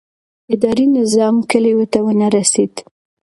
اداري نظام کلیو ته ونه رسېد.